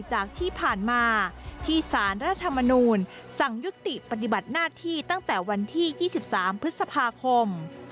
จากที่ผ่านมาที่สารรัฐธรรมนูลสั่งยุติปฏิบัติหน้าที่ตั้งแต่วันที่๒๓พฤษภาคม